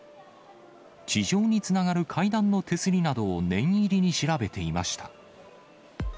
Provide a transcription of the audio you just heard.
地上につながる階段の手すりなどを念入りに調べていました。